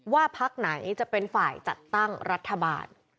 พักไหนจะเป็นฝ่ายจัดตั้งรัฐบาล